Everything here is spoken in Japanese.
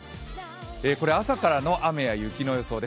これ朝からの雨や雪の予想です。